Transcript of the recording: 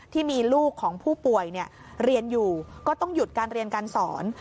ที่มีลูกของผู้ป่วยเรียนอยู่ก็ต้องหยุดการเรียนการสอน